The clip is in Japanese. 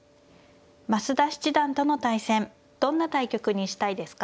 増田七段との対戦どんな対局にしたいですか。